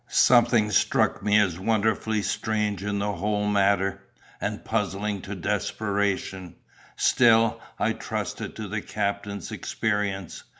"Something struck me as wonderfully strange in the whole matter, and puzzling to desperation—still, I trusted to the captain's experience.